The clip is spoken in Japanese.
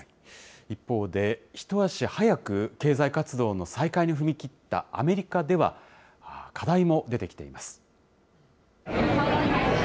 一方で一足早く、経済活動の再開に踏み切ったアメリカでは、課題も出てきています。